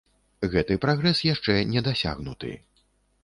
Гэты прагрэс яшчэ не дасягнуты.